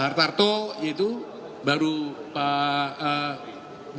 pak sarto yaitu baru pak